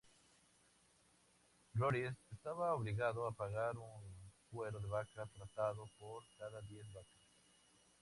Rory estaba obligado a pagar un cuero de vaca tratado por cada diez vacas.